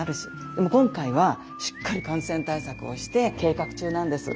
でも今回はしっかり感染対策をして計画中なんです。